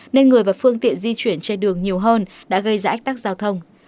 nên người và phương tiện di chuyển trên đường nhiều hơn đã gây ra ách tắc giao thông